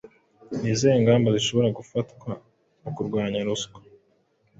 Ni izihe ngamba zishoboka zafatwa mu kurwanya ruswa?